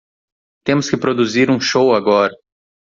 Temos que produzir um show agora.